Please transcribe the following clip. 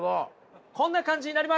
こんな感じになります。